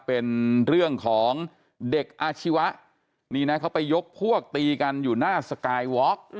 เป็นเรื่องของเด็กอาชีวะนี่นะเขาไปยกพวกตีกันอยู่หน้าสกายวอล์ก